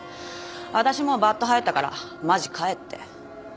私もうバッド入ったからマジ帰って。